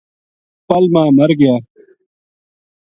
پل ما مر گیا